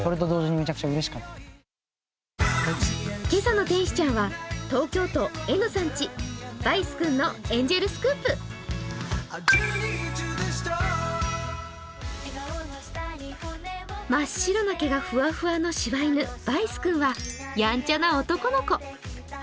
ボーカルの藤原さんは真っ白な毛がふわふわの柴犬ヴァイス君はやんちゃな男の子。